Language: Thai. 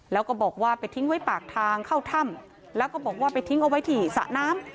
แล้วก็บอกว่าไปทิ้งไว้ปากทางเข้าถ้ำแล้วก็บอกว่าไปทิ้งเอาไว้ที่สระน้ำ